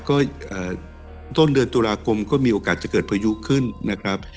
ก็ต้นเดือนตุลาคมก็มีโอกาสจะเกิดพายุขึ้นนะครับ